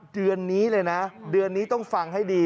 เดือนนี้เลยนะเดือนนี้ต้องฟังให้ดี